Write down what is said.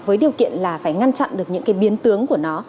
với điều kiện là phải ngăn chặn được những cái biến tướng của nó